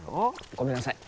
ごめんなさい。